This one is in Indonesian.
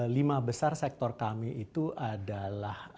lima besar sektor kami itu adalah